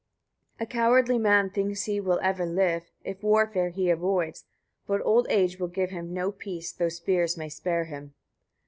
16. A cowardly man thinks he will ever live, if warfare he avoids; but old age will give him no peace, though spears may spare him.